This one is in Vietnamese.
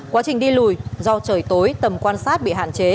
quá trình đi lùi do trời tối tầm quan sát bị hạn chế